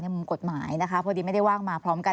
มุมกฎหมายนะคะพอดีไม่ได้ว่างมาพร้อมกัน